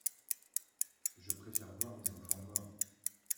je préfère voir mes enfants morts.